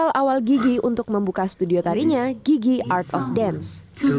jadi bekal awal gigi untuk membuka studio tarinya gigi art of dance